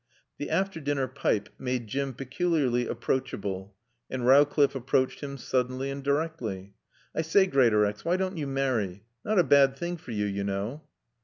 The after dinner pipe made Jim peculiarly approachable, and Rowcliffe approached him suddenly and directly. "I say, Greatorex, why don't you marry? Not a bad thing for you, you know."